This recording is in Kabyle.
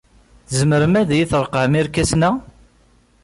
Tzemrem ad iyi-treqqɛem irkasen-a?